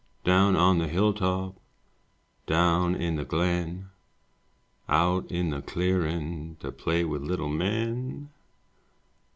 Down on the hilltop, Down in the glen. Out in the clearin', To play with little men?